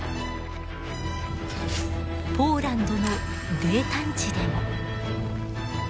ポーランドの泥炭地でも。